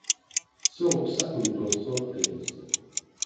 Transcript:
Tuɣ-d taqendurt turqimt.